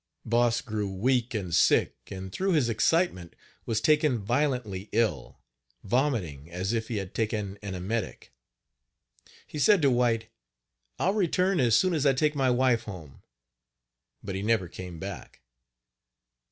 Boss grew weak and sick, and through his excitement, was taken violently ill, vomiting as if he had taken an emetic. He said to White: "I'll return as soon as I take my wife home," but he never came back.